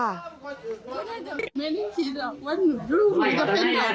สวัสดีครับค้องขวัด